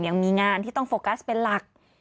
ยังมีงานที่ต้องโฟกัสเป็นหลัก